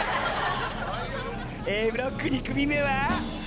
Ａブロック２組目は。